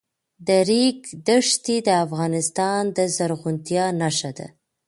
د ریګ دښتې د افغانستان د زرغونتیا نښه ده.